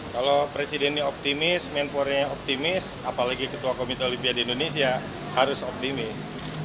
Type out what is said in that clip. kalau presiden ini optimis menpornya optimis apalagi ketua komite olimpia di indonesia harus optimis